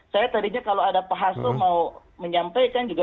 saya tadinya kalau ada pak hasto mau menyampaikan juga